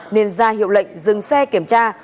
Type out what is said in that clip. nên ra hiệu lệnh dừng xe kiểm tra